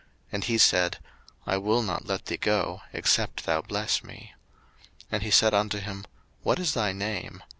And he said, I will not let thee go, except thou bless me. 01:032:027 And he said unto him, What is thy name?